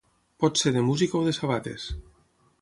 Pot ser de música o de sabates.